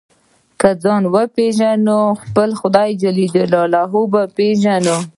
که ځان وپېژنې خپل خدای جل جلاله به وپېژنې.